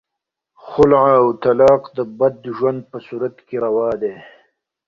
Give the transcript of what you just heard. خلع او طلاق د بدې ژوند په صورت کې روا دي.